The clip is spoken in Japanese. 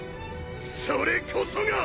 それこそが